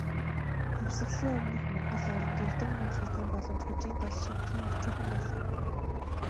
Хувьсгалын өмнөх монгол оронд, эрдэм ном сурахын боломж "хүжийн гал" шиг тийм өчүүхэн байлаа.